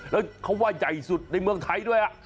แล้วเขาว่าใหญ่สุดในเมืองไทยด้วย